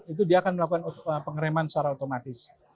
itu dia akan melakukan pengereman secara otomatis